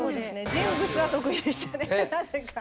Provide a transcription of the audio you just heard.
人物は得意でしたねなぜか。